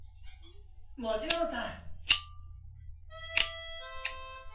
もちろんさ！